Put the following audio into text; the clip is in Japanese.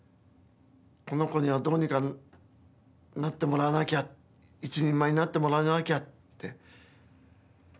この子にはどうにかなってもらわなきゃ一人前になってもらわなきゃって。